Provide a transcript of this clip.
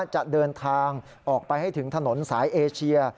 จะเดินทางออกไปให้ถึงถนนสายเอเชีย